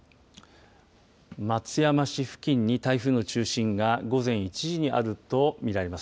松山市付近に台風の中心が午前１時にあるとみられます。